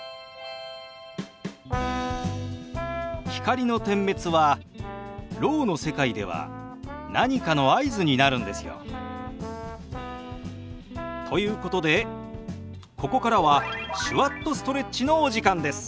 光の点滅はろうの世界では何かの合図になるんですよ。ということでここからは「手話っとストレッチ」のお時間です。